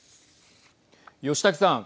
吉武さん。